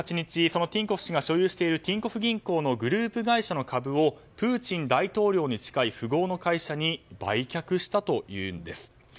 そのティンコフ氏が所有しているティンコフ銀行のグループ会社の株をプーチン大統領に近い富豪の会社に売却したというんです。